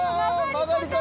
曲がり方！